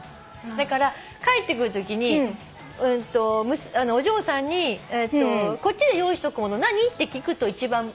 だから帰ってくるときにお嬢さんにこっちで用意しとくもの何？って聞くと一番間違いが。